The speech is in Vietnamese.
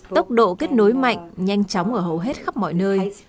tốc độ kết nối mạnh nhanh chóng ở hầu hết khắp mọi nơi